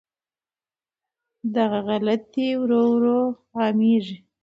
دغه غلطۍ ورو ورو عامېږي.